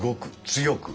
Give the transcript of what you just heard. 強く。